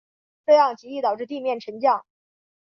这样极易导致地面沉降。